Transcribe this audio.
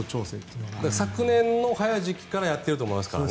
昨年の早い時期からやってると思いますからね。